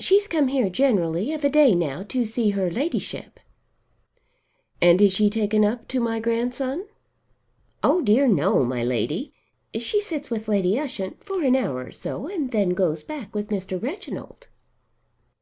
"She's come here generally of a day now to see her ladyship." "And is she taken up to my grandson?" "Oh dear, no, my Lady. She sits with Lady Ushant for an hour or so and then goes back with Mr. Reginald."